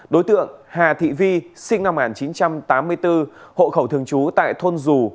đối tượng hà thị vi sinh năm một nghìn chín trăm tám mươi bốn hộ khẩu thường trú tại thôn dù